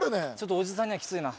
おじさんにはきついな。